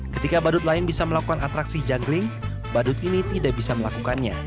ketika badut lain bisa melakukan atraksi juggling badut ini tidak bisa melakukannya